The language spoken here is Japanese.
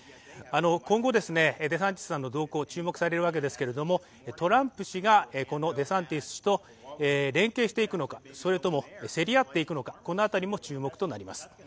今後、デサンティスさんの動向が注目されるわけですけれども、トランプ氏がこのデサンティス氏と連携していくのか、それとも競り合っていくのか、この辺りも注目となります。